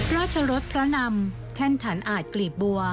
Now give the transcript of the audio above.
รสพระนำแท่นฐานอาจกลีบบัว